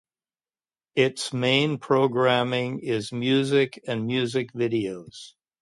Its main programming is music and music videos.